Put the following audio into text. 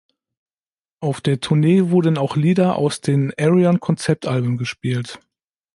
Auf der Tournee wurden auch Lieder aus den Ayreon-Konzeptalben gespielt.